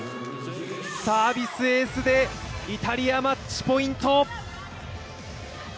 サービスエースでイタリア、マッチポイント。